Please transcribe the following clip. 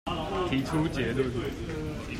提出結論